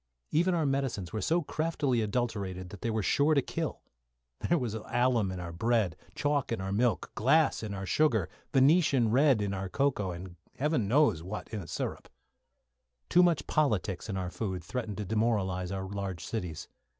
Even our medicines were so craftily adulterated that they were sure to kill. There was alum in our bread, chalk in our milk, glass in our sugar, Venetian red in our cocoa, and heaven knows what in the syrup. Too much politics in our food threatened to demoralise our large cities.